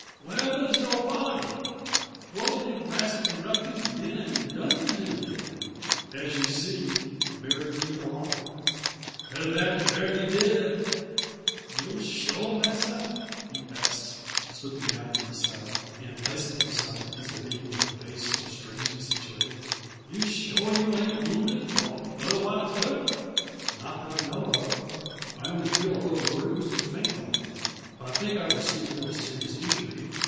Wharever is you body? What have dem rascally ruffins been an' done to ye?" "As you see buried me alive." "Better that than bury you dead. You sure, masser," he asks, slipping down from the saddle, and placing himself vis a vis with the face so strangely situated. "You sure you ain't wounded, nor otherways hurt?" "Not that I know of. I only feel a little bruised and faint like; but I think I've received no serious injury.